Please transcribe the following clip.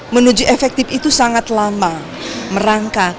menuju efektif itu sangat lama merangkak